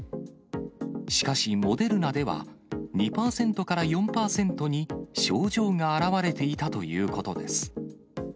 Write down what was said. しかしモデルナでは、２％から４％に症状が現れていたということです。